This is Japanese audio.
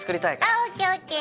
あＯＫＯＫ。